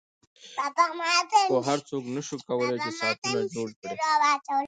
خو هر څوک نشي کولای چې ساعتونه جوړ کړي